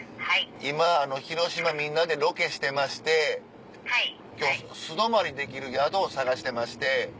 今広島みんなでロケしてまして今日素泊まりできる宿を探してまして。